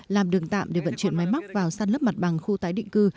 làm đường tạm để vận chuyển máy móc vào săn lấp mặt bằng khu tái định cư